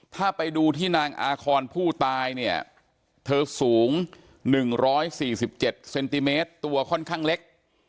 ถ้าไปดูที่นางอาคอนผู้ตายเนี่ยเธอสูงหนึ่งร้อยสี่สิบเซนติเมตรตัวค่อนข้างเล็ก